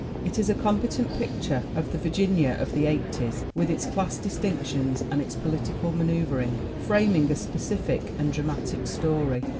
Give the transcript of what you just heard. It is a competent picture of the Virginia of the '8os with its class distinctions and its political ma neuvering, framing a specific and dramatic story.